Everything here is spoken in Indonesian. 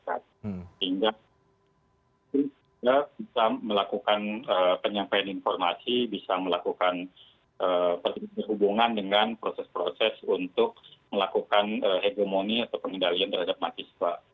sehingga kita bisa melakukan penyampaian informasi bisa melakukan hubungan dengan proses proses untuk melakukan hegemoni atau pengendalian terhadap mahasiswa